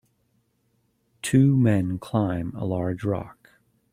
two men climb a large rock.